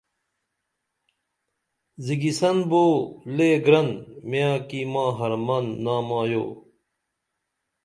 زگیسن بو لے گرن میاں کی ما حرمن نامایو